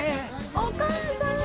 お母さん！